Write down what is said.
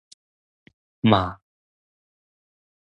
嘛